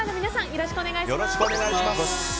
よろしくお願いします。